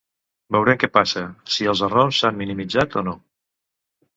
Veurem què passa, si els errors s’han minimitzat o no.